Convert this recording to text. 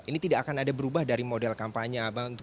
ini tidak akan ada berubah dari model kampanye